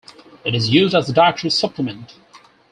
It is used as a dietary supplement.